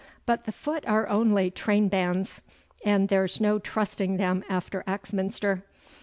'But the foot are only train bands, and there's no trusting them after Axminster.